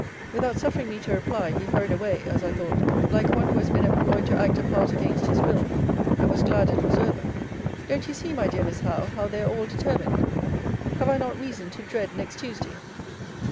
Without suffering me to reply, he hurried away, as I thought, like one who has been employed to act a part against his will, and was glad it was over. Don't you see, my dear Miss Howe, how they are all determined? Have I not reason to dread next Tuesday?